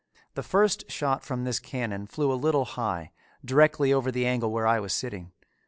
The first shot from this cannon flew a little high, directly over the angle where I was sitting.